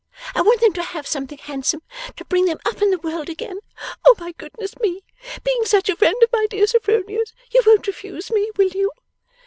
I want them to have something handsome to bring them up in the world again. Oh, my goodness me! Being such a friend of my dear Sophronia's, you won't refuse me, will you?